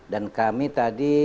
dan kami tadi